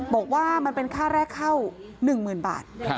บอกว่ามันเป็นค่าแรกเข้า๑๐๐๐บาท